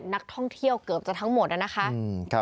นักท่องเที่ยวเกือบจะทั้งหมดนะคะ